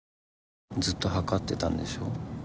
ずっとはかってたんでしょ？